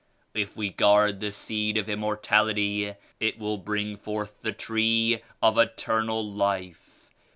If wc guard the seed of Immortality it will bring forth die tree of Eternal Life.